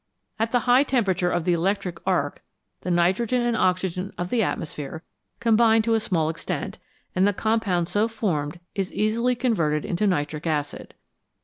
At the high temperature of the electric arc the nitrogen and oxygen of the atmosphere combine to a small extent, and the compound so formed is easily converted into nitric acid.